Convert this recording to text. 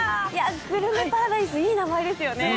「グルメパラダイス」いい名前ですね。